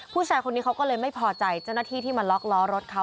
ผู้ชายคนนี้เขาก็เลยไม่พอใจเจ้าหน้าที่ที่มาล็อกล้อรถเขา